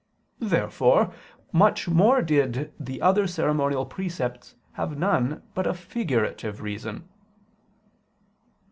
Therefore much more did the other ceremonial precepts have none but a figurative reason.